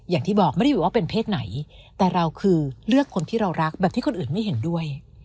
อย่างที่บอกไม่ได้อยู่ว่าเป็นเพศไหนแต่เราคือเลือกคนที่เรารักแบบที่คนอื่นไม่เห็นด้วย